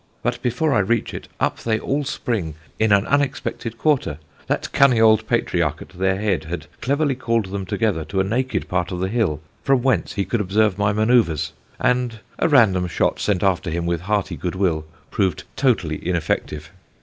But before I reach it, up they all spring in an unexpected quarter; that cunning old patriarch at their head had cleverly called them together to a naked part of the hill from whence he could observe my manoeuvres, and a random shot sent after him with hearty good will proved totally ineffective.